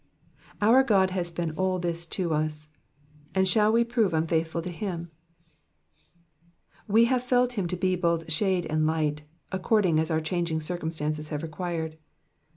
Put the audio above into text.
Our God has been all this to us, and shall we prove unfaithful to him ? We have felt him to be both shade and light, according as our changing circumstances have required.